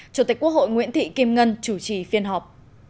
chủ tịch quốc hội nguyễn thị kim ngân chủ trì phiên họp